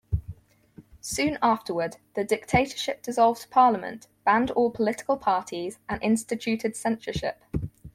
Soon afterward, the dictatorship dissolved parliament, banned all political parties and instituted censorship.